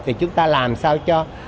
thì chúng ta làm sao cho